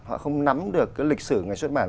họ không nắm được cái lịch sử ngành xuất bản